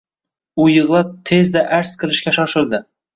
U yig‘lab, tezda arz qilishga shoshildi...